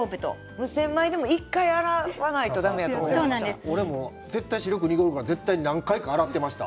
無洗米でも１回洗わないとだめやと絶対白く濁るから何回か洗っていました。